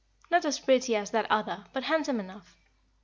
"Not as pretty as that other, but handsome enough.